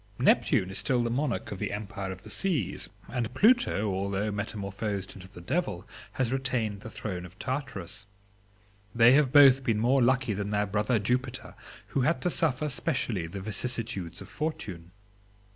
Neptune is still the monarch of the empire of the seas, and Pluto (although metamorphosed into the Devil) has retained the throne of Tartarus. They have both been more lucky than their brother Jupiter, who had to suffer specially the vicissitudes of fortune.